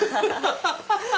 ハハハハ！